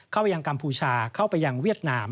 เข้าไปยังกัมพูชาเข้าไปยังเวียดนาม